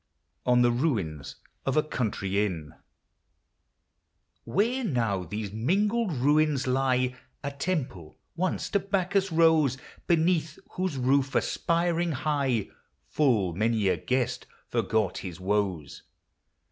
ON THE RUINS OF A COUNTRY I XX. Where now these mingled ruins lie A temple once to Bacchus rose, Beneath whose roof, aspiring high, Full many a guest forgot his woes.